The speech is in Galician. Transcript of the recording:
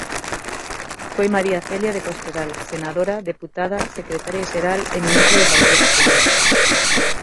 Foi María Celia de Cospedal, senadora, deputada, secretaria xeral e ministra do Partido Popular.